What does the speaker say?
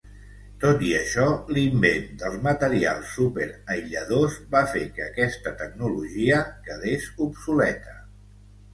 Tot i això, l"invent dels materials súper aïlladors va fer que aquesta tecnologia quedés obsoleta.